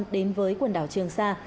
đến với quần đảo trường sa